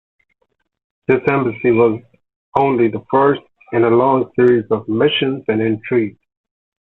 This embassy was only the first in a long series of missions and intrigues.